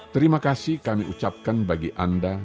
terima kasih kami ucapkan bagi anda